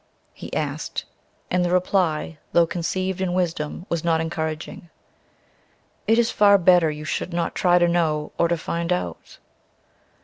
he asked; and the reply, though conceived in wisdom, was not encouraging, "It is far better you should not try to know, or to find out."